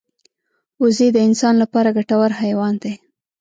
وزې د انسان لپاره ګټور حیوان دی